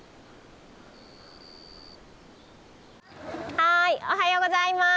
はーいおはようございます！